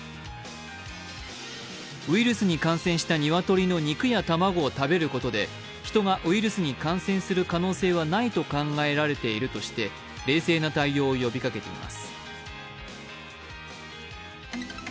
ウイルスに感染した鶏の肉や卵を食べることで人がウイルスに感染する可能性はないと考えられているとして、冷静な対応を呼びかけています。